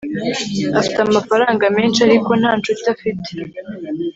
afite amafaranga menshi, ariko nta nshuti afite